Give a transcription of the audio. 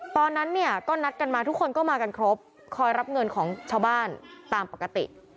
ตอนนั้นเนี่ยก็นัดกันมาทุกคนก็มากันครบคอยรับเงินของชาวบ้านตามปกติ